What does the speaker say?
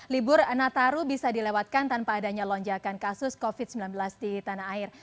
libur nataru bisa dilewatkan tanpa adanya lonjakan kasus covid sembilan belas di tanah air